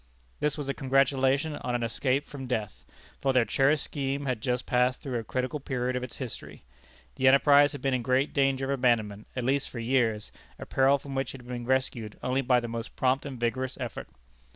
This was a congratulation on an escape from death, for their cherished scheme had just passed through a critical period of its history. The enterprise had been in great danger of abandonment at least for years, a peril from which it had been rescued only by the most prompt and vigorous effort.